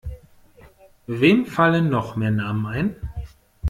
Wem fallen noch mehr Namen ein?